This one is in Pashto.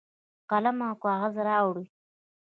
قلم او کاغذ راوړي.